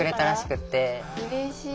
うれしい。